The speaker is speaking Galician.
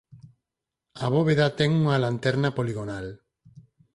A bóveda ten unha lanterna poligonal.